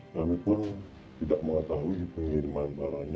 kami pun tidak mengetahui pengiriman barangnya